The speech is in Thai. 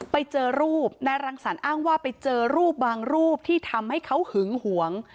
ไปเจอรูปนายรังสรรคอ้างว่าไปเจอรูปบางรูปที่ทำให้เขาหึงหวง